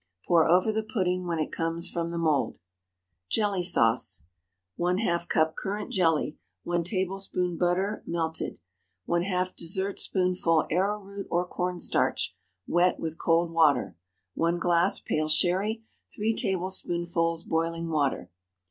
Pour over the pudding when it comes from the mould. JELLY SAUCE. ✠ ½ cup currant jelly. 1 tablespoonful butter, melted. ½ dessert spoonful arrowroot or corn starch; wet with cold water. 1 glass pale Sherry. 3 tablespoonfuls boiling water.